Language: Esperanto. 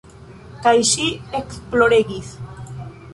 Kaj ŝi ekploregis.